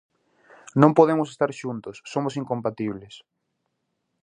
Non podemos estar xuntos, somos incompatibles.